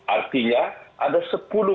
artinya ada sepuluh bulan